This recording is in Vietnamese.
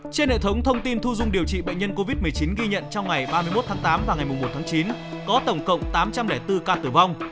trên hệ thống thông tin thu dung điều trị bệnh nhân covid một mươi chín ghi nhận trong ngày ba mươi một tháng tám và ngày một tháng chín có tổng cộng tám trăm linh bốn ca tử vong